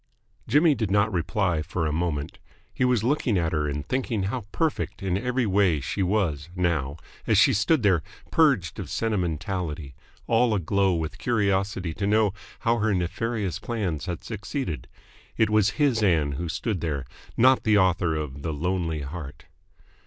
Jimmy did not reply for a moment. He was looking at her and thinking how perfect in every way she was now, as she stood there purged of sentimentality, all aglow with curiosity to know how her nefarious plans had succeeded. It was his Ann who stood there, not the author of "The Lonely Heart."